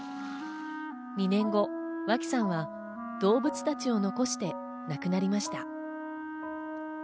２年後、脇さんは動物たちを残して亡くなりました。